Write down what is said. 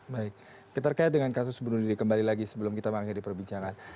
baik kita terkait dengan kasus bunuh diri kembali lagi sebelum kita mengakhiri perbincangan